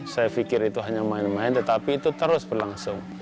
saya pikir itu hanya main main tetapi itu terus berlangsung